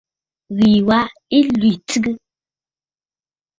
Ɨ́ɣèè wā ɨ́ í tʃégə́.